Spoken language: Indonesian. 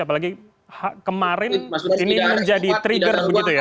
apalagi kemarin ini menjadi trigger begitu ya